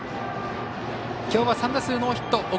きょうは３打数ノーヒット。